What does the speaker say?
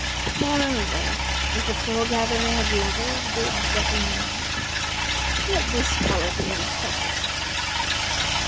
Moreover, is the foregathering of lovers good but in the night? Let this quality and profit suffice thee.